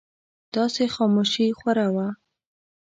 داسې خاموشي خوره وه.